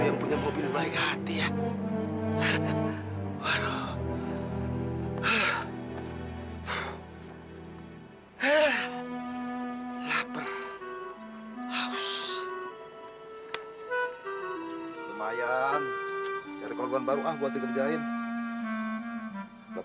sampai jumpa di video selanjutnya